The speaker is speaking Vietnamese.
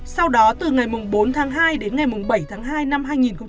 sau đó từ ngày bốn tháng hai đến ngày bảy tháng hai năm hai nghìn một mươi chín